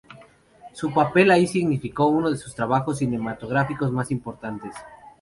Su papel ahí significó uno de sus trabajos cinematográficos más importantes.